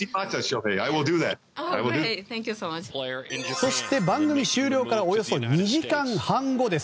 そして番組終了からおよそ２時間半後です。